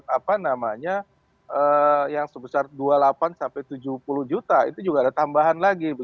apa namanya yang sebesar dua puluh delapan sampai tujuh puluh juta itu juga ada tambahan lagi